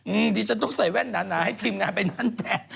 อืมดิฉันต้องใส่แว่นนั้นนะให้ทีมงานไปนั่นแทน